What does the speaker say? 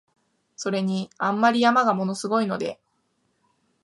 それに、あんまり山が物凄いので、